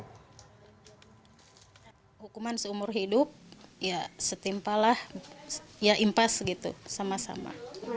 hukuman seumur hidup ya setimpa lah ya impas gitu sama sama